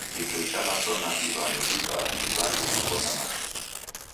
Kitoi cha laswa na iwanu ibaa ni wandu wiko na machu